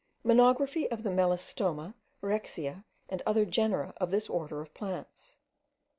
MONOGRAPHY OF THE MELASTOMA, RHEXIA, AND OTHER GENERA OF THIS ORDER OF PLANTS.